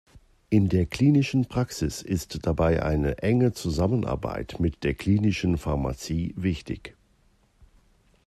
In der klinischen Praxis ist dabei eine enge Zusammenarbeit mit der Klinischen Pharmazie wichtig.